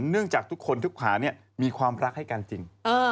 เนื่องจากทุกคนทุกค้ามีความรักให้กันจริง